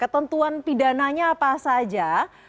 tentuan pidananya apa saja